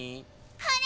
これ！